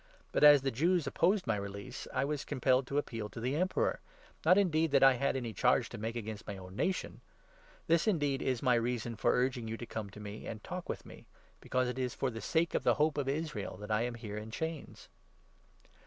But, as the Jews opposed my release, I was com pelled to appeal to the Emperor — not, indeed, that I had any charge to make against my own nation. This, then, is my reason for urging you to come to see me and talk with me ; because it is for the sake of the Hope of Israel that I am here in chains."